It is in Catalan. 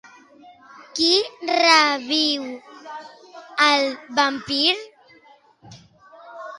Qui reviu el vampir?